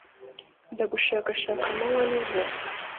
r/ndagushakashaka amanywa n'ijoro